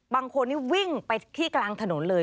บางคนนี่วิ่งไปที่กลางถนนเลย